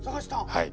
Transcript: はい。